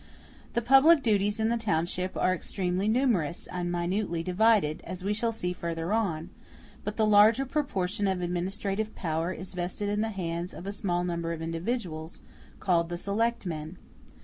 The public duties in the township are extremely numerous and minutely divided, as we shall see further on; but the larger proportion of administrative power is vested in the hands of a small number of individuals, called "the Selectmen."